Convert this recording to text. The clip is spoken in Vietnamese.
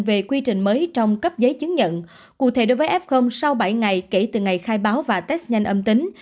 về quy trình mới trong cấp giấy chứng nhận cụ thể đối với f sau bảy ngày kể từ ngày khai báo và test nhanh âm tính